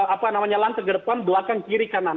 apa namanya lantai ke depan belakang kiri kanan